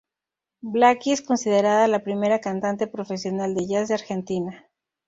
Blackie es considerada la primera cantante profesional de jazz de Argentina.